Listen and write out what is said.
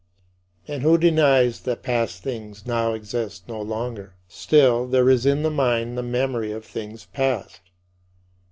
And who denies that past things now exist no longer? Still there is in the mind the memory of things past.